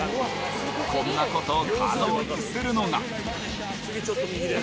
こんなことを可能にするのが。